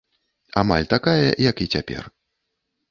Амаль такая, як і цяпер.